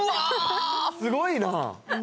すごいな。